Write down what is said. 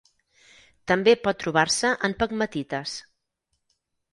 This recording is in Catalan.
També pot trobar-se en pegmatites.